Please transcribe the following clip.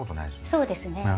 そうですね。